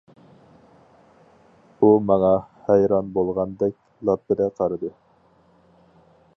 ئۇ ماڭا ھەيران بولغاندەك لاپپىدە قارىدى.